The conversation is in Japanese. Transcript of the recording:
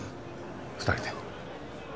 ２人で。